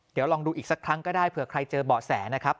เดี๋ยวลองดูอีกสักครั้งก็ได้เผื่อใครเจอเบาะแสนะครับ